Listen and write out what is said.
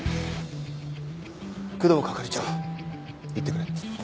工藤係長行ってくれ。